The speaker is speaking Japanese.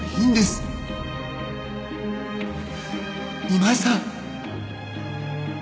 今井さん。